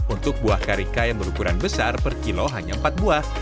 untuk buah karika yang berukuran besar per kilo hanya empat buah